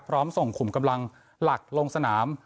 ส่งขุมกำลังหลักลงสนาม